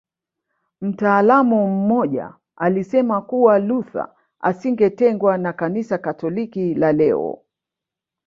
Mtaalamu mmoja alisema kuwa Luther asingetengwa na Kanisa Katoliki la leo